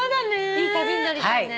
いい旅になりそうね。